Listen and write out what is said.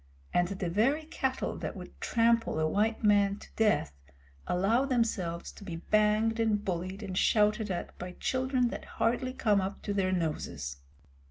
The very cattle that would trample a white man to death allow themselves to be banged and bullied and shouted at by children that hardly come up to their noses.